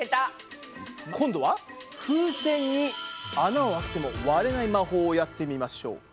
今度は風船に穴を開けても割れない魔法をやってみましょう。